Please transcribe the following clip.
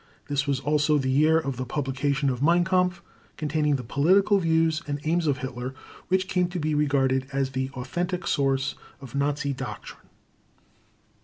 This was also the year of the publication of Mein Kampf, containing the political views and aims of Hitler, which came to be regarded as the authentic source of Nazi doctrine.